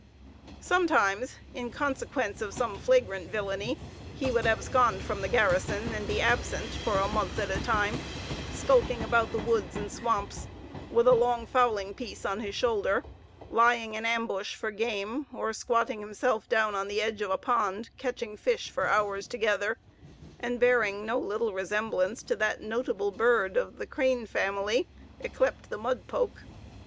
Sometimes, in consequence of some flagrant villainy, he would abscond from the garrison, and be absent for a month at a time; skulking about the woods and swamps, with a long fowling piece on his shoulder, lying in ambush for game, or squatting himself down on the edge of a pond catching fish for hours together, and bearing no little resemblance to that notable bird of the crane family, yclept the mudpoke.